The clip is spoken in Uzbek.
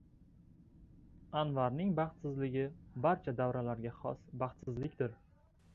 Anvarning baxtsizligi – barcha davrlarga xos baxtsizlikdir.